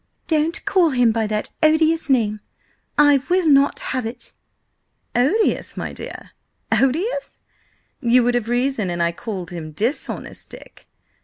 "Don't call him by that odious name! I will not have it!" "Odious, my dear? Odious? You would have reason an I called him Dishonest Dick."